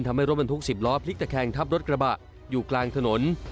ทำให้รถบรรทุก๑๐ล้อพลิกตะแคงทับรถกระบะอยู่กลางถนน